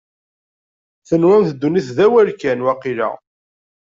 Tenwamt ddunit d awal kan, waqila?